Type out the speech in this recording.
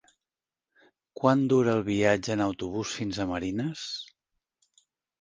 Quant dura el viatge en autobús fins a Marines?